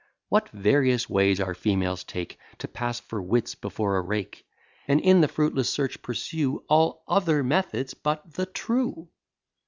What various ways our females take To pass for wits before a rake! And in the fruitless search pursue All other methods but the true!